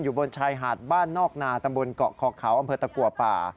บนชายหาดบ้านนอกนาตำบลเกาะคอเขาอำเภอตะกัวป่า